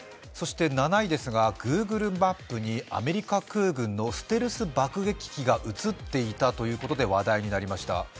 ７位、グーグルマップにアメリカ空軍のステルス爆撃機がうつっていたということで話題になた。